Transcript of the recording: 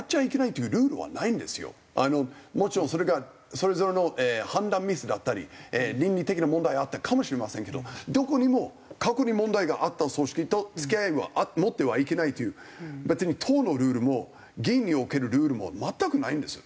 もちろんそれがそれぞれの判断ミスだったり倫理的な問題あったかもしれませんけどどこにも過去に問題があった組織と付き合いは持ってはいけないという別に党のルールも議員におけるルールも全くないんです。